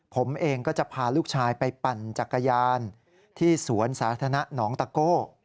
ผมเองก็จะพาลูกชายไปปั่นจักรยานที่สวนสาธารณะหนองตะโก้